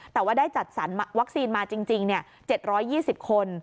แต่ว่าได้จัดสรรวัคซีนมาจริง๗๒๐คน